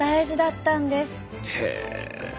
へえ！